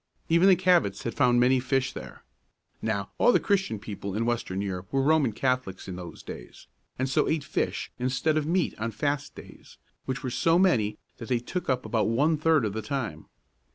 Even the Cabots had found many fish there. Now, all the Christian people in western Europe were Roman Catholics in those days, and so ate fish instead of meat on fast days, which were so many that they took up about one third of the time.